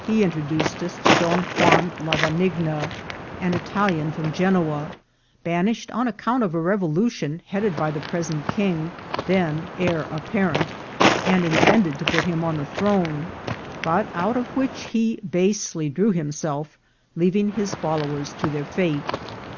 He in QUEZALTENANGO. 205 troduced us to Don Juan Lavanigna, an Italian from Genoa, banished on account of a revolution headed by the present king, then heir apparent, and intended to put him on the throne, but out of which he basely drew himself, leaving his followers to their fate.